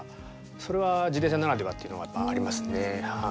それは自転車ならではっていうのがやっぱりありますね。